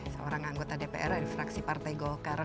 seorang anggota dpr dari fraksi partai golkar